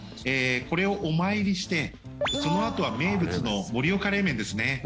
これをお参りしてそのあとは名物の盛岡冷麺ですね